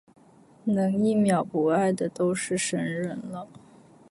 能一秒不爱的都是神人了